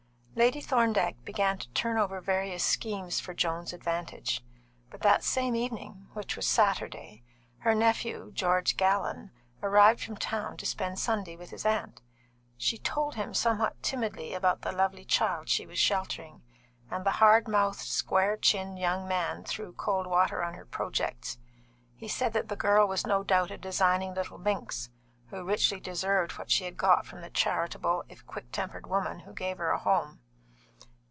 Lady Thorndyke began to turn over various schemes for Joan's advantage; but that same evening, which was Saturday, her nephew, George Gallon, arrived from town to spend Sunday with his aunt. She told him somewhat timidly about the lovely child she was sheltering, and the hard mouthed, square chinned young man threw cold water on her projects. He said that the girl was no doubt a designing little minx, who richly deserved what she had got from the charitable if quick tempered woman who gave her a home.